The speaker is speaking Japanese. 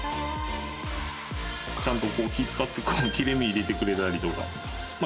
ちゃんとこう気遣って切り目入れてくれたりとかまあ